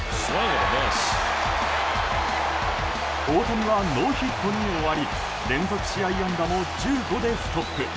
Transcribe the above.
大谷はノーヒットに終わり連続試合安打も１５でストップ。